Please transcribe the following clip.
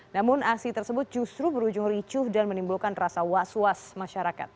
namun aksi tersebut justru berujung ricuh dan menimbulkan rasa was was masyarakat